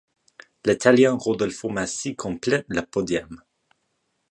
L'Italien Rodolfo Massi complète le podium.